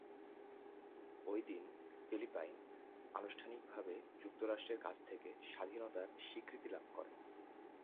ঐদিন ফিলিপাইন আনুষ্ঠানিকভাবে যুক্তরাষ্ট্রের কাছ থেকে স্বাধীনতার স্বীকৃতি লাভ করে।